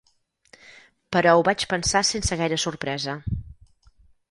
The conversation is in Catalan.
Però ho vaig pensar sense gaire sorpresa